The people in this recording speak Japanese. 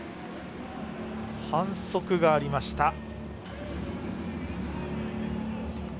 反則がありました。